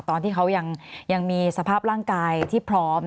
ตอนที่เขายังมีสภาพร่างกายที่พร้อม